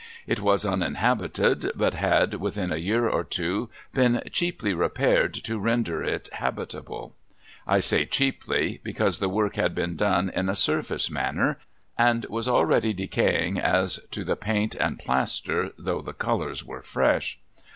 It Avas uninhabited, but had, within a year or two, been cheaply repaired to render it hal)itable ; I say clieaplv because the work had been done in a surface manner, and was alrc^ady decaying as to the paint and plaster, though the colours were fresh.